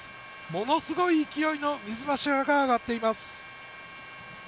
ものすごい勢いの水柱が上がっています。